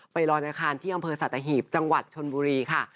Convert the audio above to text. ลอยอาคารที่อำเภอสัตหีบจังหวัดชนบุรีค่ะ